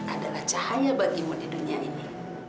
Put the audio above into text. adalah cahaya bagimu di dunia ini